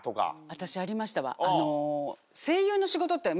私ありましたわ。